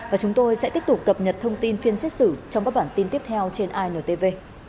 và chúng tôi sẽ tiếp tục cập nhật thông tin phiên xét xử trong các bản tin tiếp theo trên intv